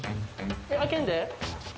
開けんで。